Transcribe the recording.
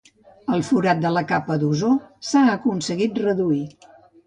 El forat de la capa d'ozó s'ha aconseguir reduir.